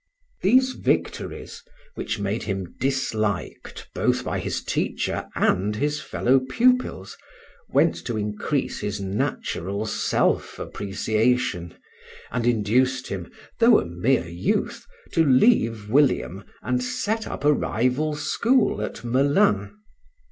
These victories, which made him disliked both by his teacher and his fellow pupils, went to increase his natural self appreciation, and induced him, though a mere youth, to leave William and set up a rival school at Mélun.